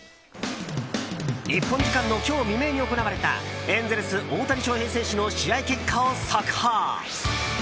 日本時間の今日未明に行われたエンゼルス、大谷翔平選手の試合結果を速報。